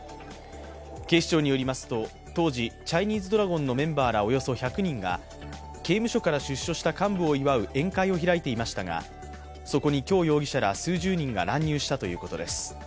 警視庁によりますと、当時、チャイニーズドラゴンのメンバーらおよそ１００人が刑務所から出所した幹部を祝う宴会を開いていましたがそこに姜容疑者ら数十人が乱入したということです。